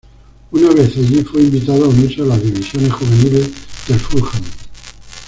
Una vez allí fue invitado a unirse a las divisiones juveniles del Fulham.